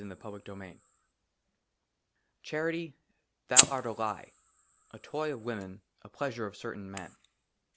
I6 i I XVI CHARITY, THOU ART A LIE, A TOY OF WOMEN, A PLEASURE OF CERTAIN MEN.